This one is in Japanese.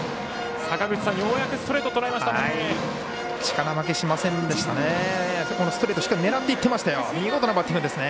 坂口さん、ようやくストレートとらえましたね。